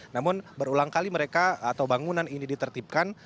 namun berulang kali mereka atau bangunan ini ditertipkan